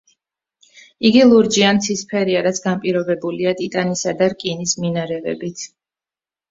იგი ლურჯი ან ცისფერია, რაც განპირობებულია ტიტანისა და რკინის მინარევებით.